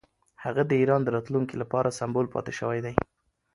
هغه د ایران د راتلونکي لپاره سمبول پاتې شوی.